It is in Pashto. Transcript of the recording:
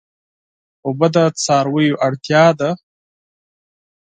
اوبه د څارویو اړتیا ده.